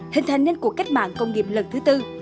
hình thành nên cuộc cách mạng công nghiệp lần thứ tư